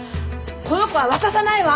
この子は渡さないわ！